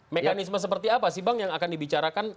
mekanisme seperti apa sih bang yang akan dibicarakan